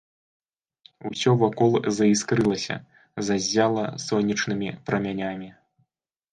Усё вакол заіскрылася, заззяла сонечнымі прамянямі.